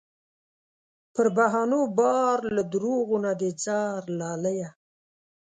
پر بهانو بار له دروغو نه دې ځار لالیه